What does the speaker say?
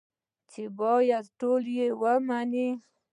چې بايد ټول يې ومنو.